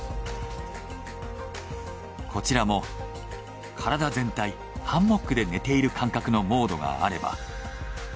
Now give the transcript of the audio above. こちらも「体全体ハンモックで寝ている感覚のモードがあれば」。